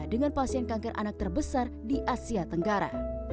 dengan pasien kanker anak terbesar di asia tenggara